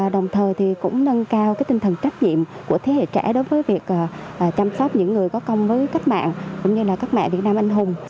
đồng thời cũng nâng cao tinh thần trách nhiệm của thế hệ trẻ đối với việc chăm sóc những người có công với cách mạng cũng như là các mẹ việt nam anh hùng